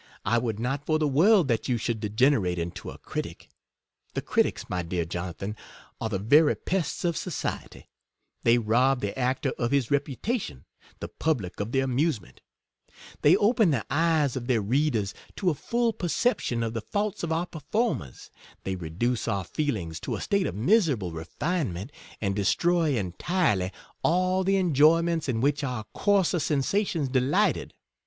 I would not for the world that you should de generate into a critic. The critics, my dear Jonathan, are the very pests of society; they rob the actor of his reputation — the public of their amusement; they open the eyes of their readers to a full perception of the faults of our performers, they reduce our feelings to a state of miserable refinement, and destroy en tirely all the enjoyments in which our coarser sensations delighted.